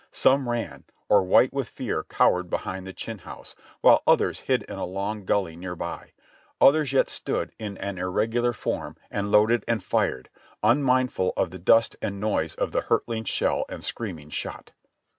Some ran, or white with fear cowered behind the Chinn House, while others hid in a long gulley near by; others yet stood in an irregular form and loaded and fired, unmindful of the dust and noise of the hurtling shell and screaming shot.